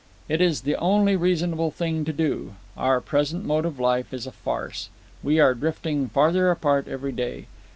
"It is the only reasonable thing to do. Our present mode of life is a farce. We are drifting farther apart every day.